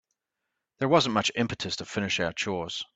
There wasn't much impetus to finish our chores.